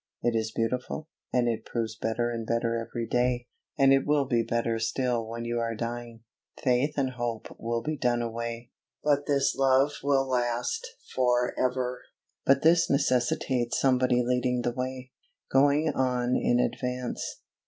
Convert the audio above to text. It is beautiful, and it proves better and better every day, and it will be better still when you are dying Faith and Hope will be done away, but this love will last forever! But this necessitates somebody leading the way going on in advance.